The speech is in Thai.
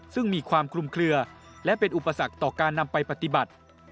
ซึ่งมีความคลุมเคลือและเป็นอุปสรรคต่อการนำไปปฏิบัติ